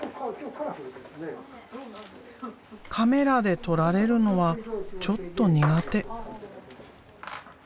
カメラで撮られるのはちょっと苦手。